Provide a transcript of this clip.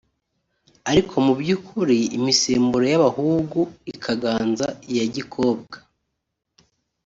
ariko mu by’ukuri imisemburo y’abahugu ikaganza iya gikobwa